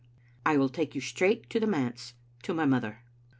"I will take you straight to the manse, to my mother.